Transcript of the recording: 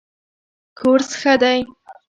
کورس ښه دی.